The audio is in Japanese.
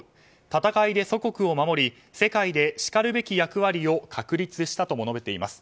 戦いで祖国を守り世界でしかるべき役割を確立したとも述べています。